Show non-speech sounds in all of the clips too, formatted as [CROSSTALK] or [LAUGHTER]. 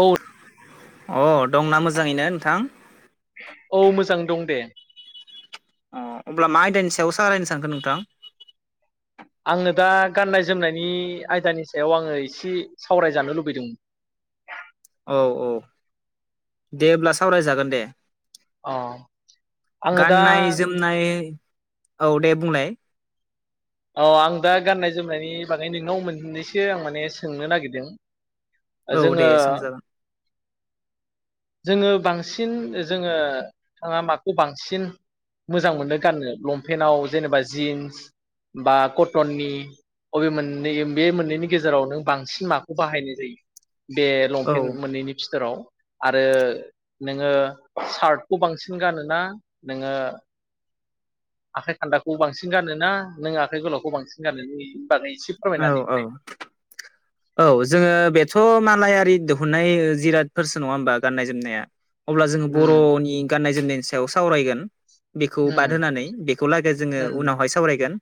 औ अ दंना मोजाङैनो नोंथां औ मोजां दं दे अ अब्ला मा आयदानि सायाव सावरायनो सानखो नोंथां आङो दा गाननाय जोमनायनि आयदानि सायाव आङो एसे सावरायजानो लुबैदों औ औ दे होब्ला सावरायजागोन दे अ आङो दा गाननाय जोमनाय औ दे बुंलाय औ आं दा गाननाय जोमनायनि बागै नोंनाव मोननैसो आं माने सोंनो नागिरदों। औ जोङो दे सोंजागोन जोङो बांसिन जोङो थाङा माखौ बांसिन मोजां मोनो गाननो लंपेन्टाव जेनेबा जिन्स बा कटननि बबे मोननै बे मोननैनि गेजेराव नों बांसिन माखौ बाहायनाय जायो? बे औ लंपेन्ट मोननैनि फिथोराव आरो नोङो सार्टखौ बांसिन गानोना नोङो आखाइ खान्दाखौ बांसिन गानो ना नों आखाइ गोलावखौ बांसिन गानो बागै एसे औ फोरमायनानै औ होनाय औ जोङो बेथ' मा। नाय आरि दोहुननाय जिरादफोरसो नङा होमबा गाननाय जोमनाया अब्ला जोङो उम बर'नि गाननाय जोमनायनि सायाव सावरायगोन। बेखौ बाद उम होनानै बेखौ लागो जोङो उम उनावहाय सावरायगोन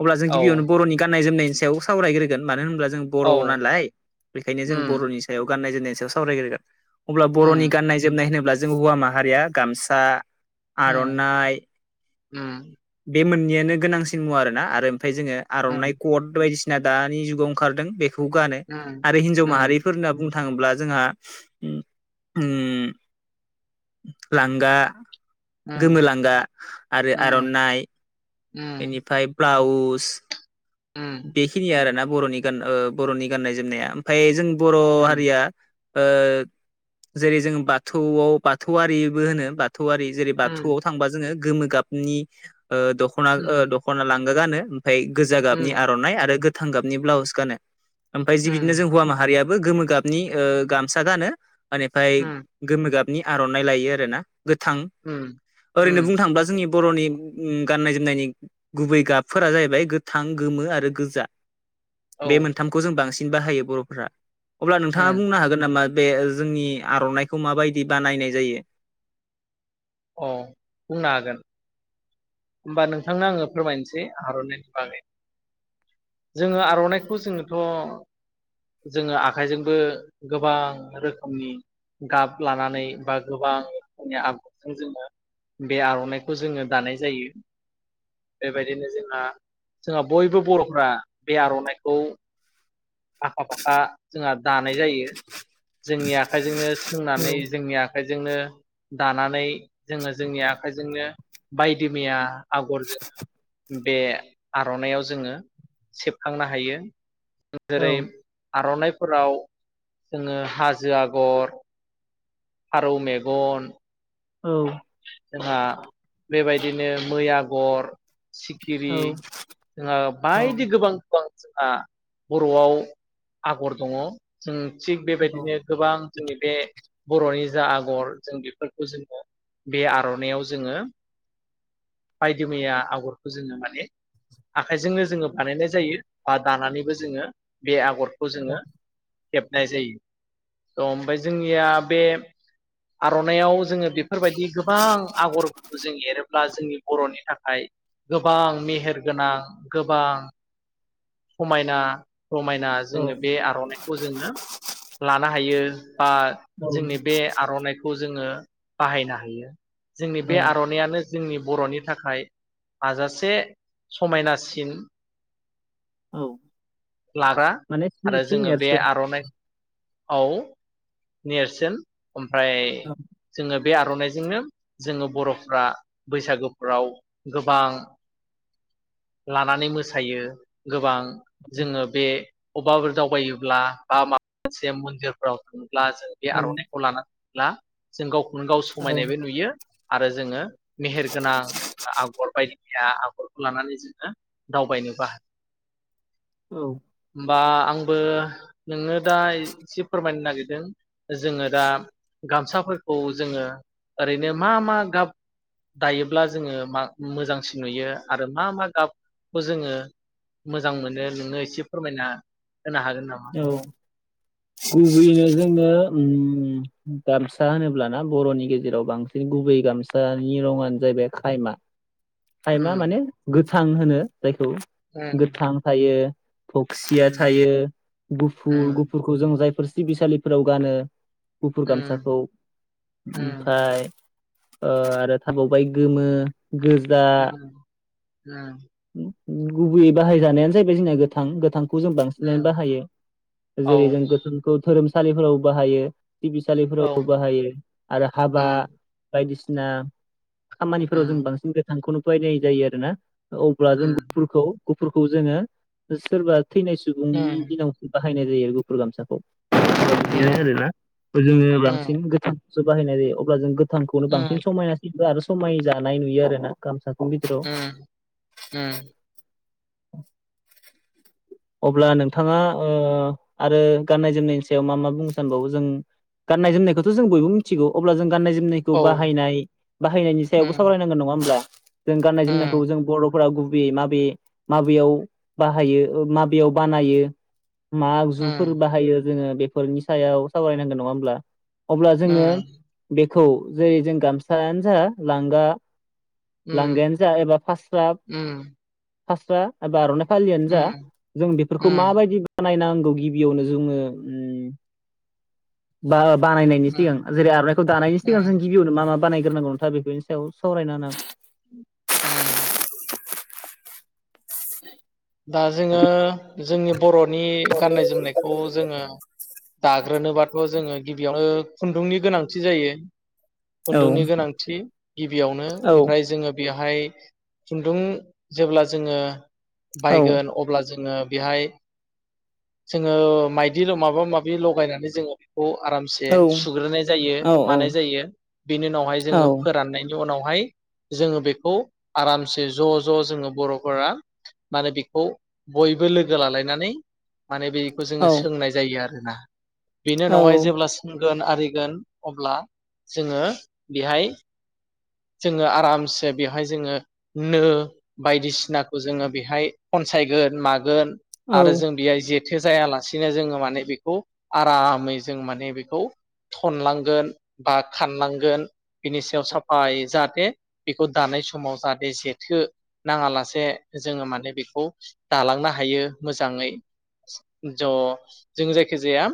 अब्ला जों औ गिबियावनो बर'नि गाननाय जोमनाय सायाव सावरायग्रोगोन मानो होनबा जो जों बर' औ नालाय बेखायनो जों उम बर'नि सायाव गाननायनाय जोमनाय सावरायग्रोगोन अब्ला बर'नि उम गाननाय जोमनाय होनोब्ला जों हौवा माहारिया गामसा उम आर'नाइ उम बे मोननैयानो गोनांसिन मुवा आरोना आरो ओमफ्राय जोङो उम आर'नाइ कट बायदिसिना दानि जुगाव ओंखारदों बेख खौ गानो उम आरो हिनजाव उम माहारिफोर होनना बुं थाङोब्ला जोंहा उम उम लांगा गोमो उम लांगा आरो आर'न नाय उम बेनिफाय ब्लाउस उस उम बेखिनि आरो ना बरनि गोन ओ बर'नि गाननाय जोमनाया ओमफाय जों बर' उम हारिया ओ जेरै जोंङो बाथौआव बाथौआरिबो होनो । बाथौआरि जेरै उम बाथौआव थांबा जोङो गोमो गाबनि ओ दख'ना ओ उम दख'ना ला [UNINTELLIGIBLE] ओमफाय नि उम आर'नाइ आरो गो थांगाबनि ब्लाउस गानो ओमफ्राय जि बिनो उम जों हौवा माहारिया गोमो गाबनि ओ गामसा गानो आनिफ्राय उम गोमो गाब नि आर'नाइ लायो आरोना गोथां उम ओरैनो बुंनो उम थाङोब्ला जोंनि बर'नि ओम गाननाय जोमनायनि गुबै गाबफोरा जाहैबाय गोथां गोमो आरो गोजा औ बे मोनथामखौ जों बांसिन बाहायो बर'फोरा अब्ला नोंथाङा उम बुंनो हागोन नामा बे जोंनि आर'नाइखौ माबायदि बानायनाय जायो अ बुंनो हागोन होमबा नोंथांनो आङो फोरमायनोसै आर'नाइनि बागै जोङो आर'नाइखौ जोङोथ' जोङो आखाइजोंबो गोबां रोखोमनि गाब लानानै बा गोबां रोखोमनि आगरजों जोङो बे आर'नाइखौ जोङो दानाय जायो बेबायदिनो जोंहा जोंहा बयबो बर'फ्रा बे आर'नाइखौ आखा फाखा जोंहा दानाय जायो जोंनि आखाइजोंनो औ सोंनानै जोंनि आखाइजों [UNINTELLIGIBLE] दानानै जोङो जोंनि आखाइजोंनो बायदि मैया आगरजों ओम बे आर'नाइयाव जोङो सेबखांनो हायो औ जेरै आर'नाइफोराव जोङो हाजो आगर फारौ मेगन औ जोंहा बेबायदिनो मै आगर सिखिरि जोङो औ बायदि गोबां गोबां जोंहा बर'आव आगर दङ जों थिग बेबायदिनो गोबां जोंनि बे बर'नि जा आगर जों बेफोरखौ जोङो बे आर'नायाव जोङो बायदि मैया आगरखौ जोङो माने आखाइजोंनो जोङो बानायनाय जायो बा दानानैबो जोङो बे आगर खौ जोङो हेबनाय जायो त ओमफ्राय जोंनिया बे आर'नाइआव जोङो बे बेफोरबायदि गोबां आगरफोरखौ जों एरोब्ला जोंनि बर'नि थाखाय गोबां मेहेर गोनां गोबां समायना रमायना औ जोङो बे आर'नाइखौ जोङो ला नो हायो बा जोंनि बे आर'नाइखौ जोङो बाहायनो हायो जोंनि बे औ आर'ननायानो जोंनि बर'नि थाखाय हाजासे समायनासिन औ लाग्रा माने आरो सिनायथि जोङो बे नेरसोन आर'ननाइ औ नेरसोन ओमफ्राय औ बे आर'नाइजोंनो जोङो बर'फ्रा बैसागुफ्राव गोबां लानानै मोसायो गोबां जोङो बे अबाफोर दावबायोब्ला बा माबा मोनसे मन्दिरफोराव थाङो ब्ला जों बे औ आर'नाइखौ लाना ब्ला जों गाव नो गाव औ समायनायबो नुयो आरो जोङो मेहेर गोनां आगर बायदि गैया आगरखौ लानानै जोङो दावबायनोबो हायो औ बा आंबो नोंनो दा एसे फोरमायनो नागिरदों जोङो दा गामसाफोर खौ जोङो ओरैनो मा मा गाब दायोब्ला जोङो मा मोजांसिन नुयो आरो मा मा गाबखौ जोङो मोजां मोनो नोंनो एसे फोरमायना होनो हागोन नामा? औ गुबैयैनो जोंनो ओम गामसा होनोब्लाना बर'नि गेजेराव बांसिन गुबै गामसानि रंङानो जाहैबाय खायमा खायमा उम माने गो थां होनो जायखौ उम गोथां थायो फक्सिया उम थायो गुफुर उम गुफुरखौ जों जायफोर सिबिसालिफोराव गानो गुफुर उम गामसाखौ उम ओमफ्राय आरो थाबावबाय गोमो गोजा उम [INAUDIBLE] गुबैयै बाहायजानायानो जाहैबाय जोंनिया गोथां गोथां खौ जों बांसिनानो उम बाहायो औ जेरै जों गोथोंखौ धोरोम साालिफोराव बाहायो औ बिसालिफोरावबो उम बाहायो आरो हाबा उम बायदिसि नाम खामानिफोराव जों उम बांसिन गोथांखौनो [UNINTELLIGIBLE] जायो आरो ना अब्ला जों उम गुुफुरखौ गुफुरखौ जोङो सोरबा थैनाय सुबुंनि उम दिनाव बा बाहायनाय जायो गुफुर गामसाखौ बिदिनो उम आरोना जोङो उम बांसिन गोथ जो बाहायनाय जायो अब्ला गो गोथांखौनो उम बांसिन समायनासिन आरो सो समाय जानाय नुयो आरो ना गामसाजों [UNINTELLIGIBLE] ओम बांसिन अब्ला नोंथाङा ओ आरो गाननाय जोमनायनि सायाव मा मा बुंनो सानबावो जों गाननाय जोमनायखौथ' जों बयबो मिथिगौ अब्ला जों गाननाय जोमनायखौ औ उम बाहायनाय बाहायनायनि उम सायावबो सावरायनांगोन नङा होमब्ला जों गाननाय उम जोमनायखौ जों बर'फोरा गुबुन बै माबे माबेयाव बाहायो ओ माब बेयाव बानायो मा आगजुफोर उम उम बाहायो जोङो बेफोरनि सायाव सावरायनांगोन नङा होमब्ला अब्ला जोङो बे खौ जेरै जों गामसायानो जा लांगा लांगायानो जा एबा फास्रा उम फास्रा एबा आर'नाय फालियानो जा उम जों बेफोरखौ उम माबायदि बानाय नांगौ गिबियावनो जोङो ओम [UNINTELLIGIBLE] बानायनायनि सिगां उम जेरै आर'नायखौ दानायनि सिगां जों गिबियावनो मा माबा बानायग्रोनांगौ नोंथाङा बेफोरनि सायाव सावरायना होनो [UNINTELLIGIBLE] ओम दा जोङो जोंनि बर'नि गाननाय जोमनायखौ जोङो दाग्रोनोबाथ' जोङो गिबियावनो खुन्दुंनि गोनांथि जायो औ खुन्दुंनि गोनांथि गिबियावनो औ ओमफ्राय जोङो बेयाव बेहाय खुन्दुं जेब्ला जोङो औ बायगोन अब्ला जों जोङो बेहाय जोङो माइदि माबा माबि लगायनानै जोङो खौ आरामसे औ सुग्रोनाय जायो औ मानाय जायो बेनि उनावहाय औ जोङो फोराननाय उनावहाय जोङो बेखौ आरामसे ज' ज' जोङो बर'फोरा माने बेखौ बयबो लोगो लालायनानै माने बेखौ जोङो औ सोंनाय जायो आरो [UNINTELLIGIBLE] बेनि औ उनावहाय जेब्लासिम [UNINTELLIGIBLE] आरिगोन अब्ला जोङो बेहाय जोङो आरामसे बेवहाय जोङो नो बायदिसिनाखौ जोङो बेहाय खनसायगोन मागोन आरो जों बेहाय जे थो जायालासिनो जोङो माने बेखौ आरामै जों माने बेखौ थनलांगोन बा खानलांगोन बिनि सायाव साब जाहाथे बेखौ दानाय समाव जाहाथे जेथो नाङा लासे जोङो माने बेखौ दालांनो हायो मोजाङै ज' जों जायखि जाया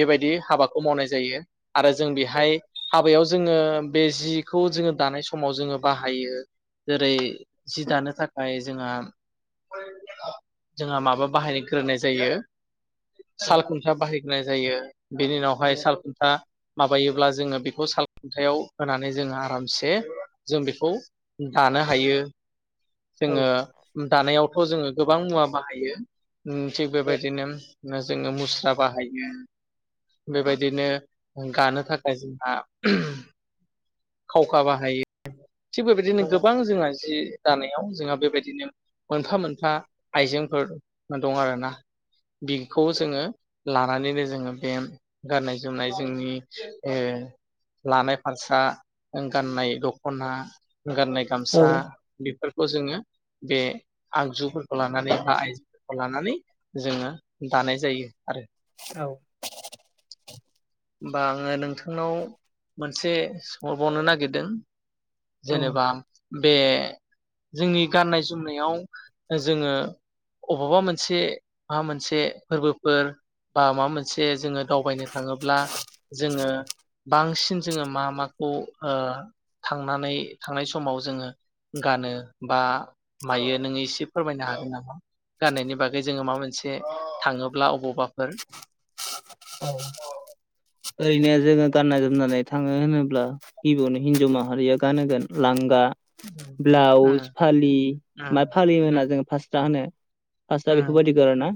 बेबायदि हाबाखौ मावनाय जायो आरो जों बेहाय हाबायाव जोङो बे जि बखौ जोङो दानाय समाव जोङो बाहायो जेरै जि दानो थाखाय जोंहा जोंहा माबा बाहाय ग्रोनाय जायो साल खुन्था बाहाय होनाय जायो। बेनि उनावहाय सालखुन्था माबायोब्ला जोङो बेखौ सालखुनथायाव होनानै जों आरामसे जों बेखौ दानो हायो औ जोङो दानायाव खौ जोङो गोबां मुवा बाहायो ओम थिग बेबायदिनो जोङो मुस्रा बाहायो बेबायदिनो गानो थाखाय जोंहा [UNINTELLIGIBLE] खावखा बाहायो थिग बेबायदिनो गोबां जोंहा जि जानायाव जोंहा बेबायदिनो मोनफा मोनफा आइजेंफोर दं आरोना बिखौ जोङो लानानैनो जोङो बे गाननाय जोमनाय जोंनि ओ लानाय फारसा गाननाय दख'ना गाननाय गामसा बिफोरखौ जोङो बे आगजुफोरखौ लानानै बा आइजोफोरखौ लानानै जोङो दानाय जायो आरो। औ होमबा आङो नोंथांनाव मोनसे सो हरबावनो नागिरदों। औ जेनेबा बे जोंनि गाननाय जोमनायाव जोङो अबावबा मोनसे माबा मोनसे फोरबोफोर बा माबा मोनसे जोङो दावबायनो थाङोब्ला जोङो बांसिन जोङो मा मा अ ओ थांनानै थांनाय समाव जोङो गानो बा मायो नोङो एसे फोरमायनो हागोन नामा? गाननायनि बागै जोङो माबा मोनसे थाङोब्ला अबावबा फोर। ओरैनो जोङो गानना जोमनानै थाङो होनोब्ला गिबियावनो हिनजाव माहारिया गानोगोन लांगा। उम उम ब्लाउस फालि उम मा फालि होना जोङो फास्रा होनो। फास्रा उम बेफोरबायदिखौ आरोना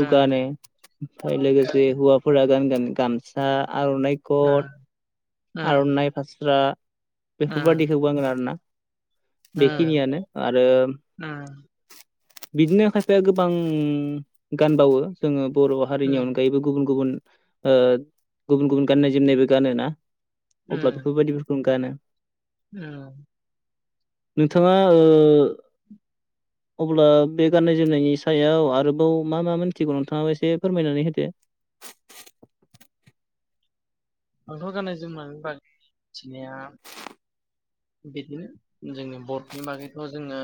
उम गानो ओमफ्राय लोगोसे हौवाफोरा गानगोन गामसा आर'नाइ कट उम आर'नाइ फास्रा। बेफोरबादिखौ गांगोन आरोना। बेखिनियानो। आरो उम बिदिनो खायफाया गोबां गानबावो जोङो बर' हारिनि उम अनगायैबो गुबुन गुबुन ओ गुबुन गुबुन गाननाय जोमनायबो गानो ना? अब्ला बेफोर बायदिफोरखौनो गानो उम नोंथाङा ओ अब्ला बे गाननाय जोमनायनि सायाव आरोबाव मा मा मिथिगौ नोंथाङाबो एसे फोरमायनानै होदो आंथ गाननाय जोमनायनि बागै मिथिनाया बिदिनो जोंनि बर फोरनि बागैथ जोङो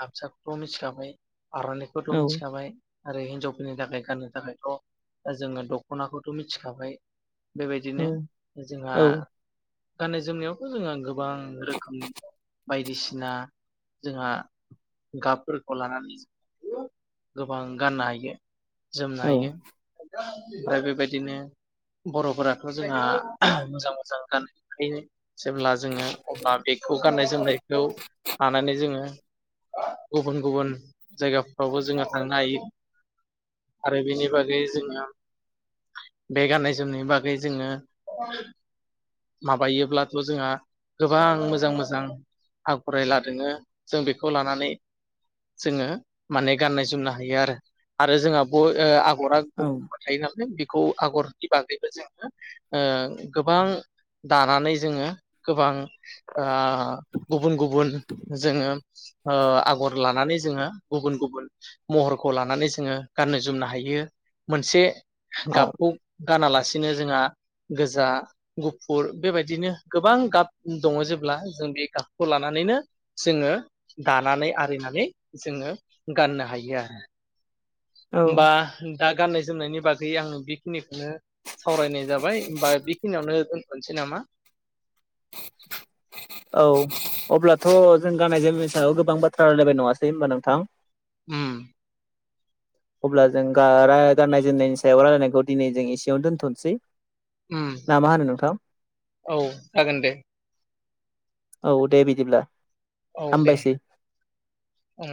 गामसाखौथ मिथिखाबाय। आर'नाइखौथ औ मिथिखाबाय। आरो हिनजावफोरनि थाखाय गाननो थाखायथ जोङो दखनाखौथ मिथिखाबाय। औ बेबायदिनो जोंहा औ गाननाय जोमनायावथ जोंहा गो बां रोखोमनि। बायदिसिना जोंहा गाबफोरखौ लानानै गोबां गाननो हायो जोमनो औ हायो ओमफ्राय बेबायदिनो बर'फोराथ' जोंहा मोजां मोजां गाननायखायो जेब्ला जोङो अब्ला बेखौ गाननाय जोमनायखौ लानानै जोङो गुबुन गुबुन जायगाफ्रावबो जोङो थांनो हायो आरो बेनि बागै जोङो बे गाननाय जोमनायनि बागै जोङो माबायोब्लाथ' जोंहा गोबां मोजां मोजां आगर एला दङो जों बेखौ लानानै जोङो माने गाननाय जोमनो हायो आरो [UNINTELLIGIBLE] आगरा औ [UNINTELLIGIBLE] थायो नालाय बेखौ आगर बि बागैबो जोङो ओ गोबां दानानै जोङो गोबां आ गुबुन गुबुन जोङो ओ आगर लानानै जोङो गुबुन गुबुन महरखौ लानानै जोङो गाननो जोमनो हायो मोनसे औ गाबखौ गानालासि बिदिनो जोंहा गोजा गुफुर बेबायदिनो गोबां गाब दङ जेब्ला जों बे गाबखौ लानानैनो जोङो दानानै आरिनानै जोङो गाननो हायो आरो औ बा दा गान जोमनायनि बागै आङो बेखिनिखौनो सावरायनाय जाबाय होमबा बेखिनियावनो दोनथ'नोसै नामा औ अब्लाथ' जों गाननाय जोमनायनि सायाव गोबां बाथ्रा रायलायबाय नङासै होनबा नोंथां उम अब्ला जों गा रा गाननाय जोमनायनि सायाव रायलायनायखौ दिनै जों एसेयावनो दोनथ'नोसै उम ना मा होनो नोंथां औ जागोन दे औ दे बिदिब्ला औ दे हामबायसै उ